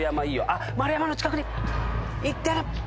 あっ丸山の近くに行ってる。